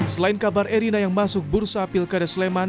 selain kabar erina yang masuk bursa pilkada sleman